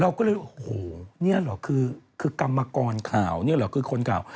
เราก็เลยโอ้โหเนี่ยเหรอคือกรรมกรข่าวเนี่ยเหรอคือคนข่าว